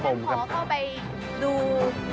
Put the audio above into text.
ผมขอเข้าไปดู